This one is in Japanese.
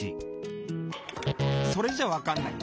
「それじゃわかんない」。